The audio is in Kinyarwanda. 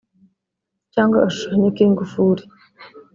cyangwa agashushanyo k’ingufuri)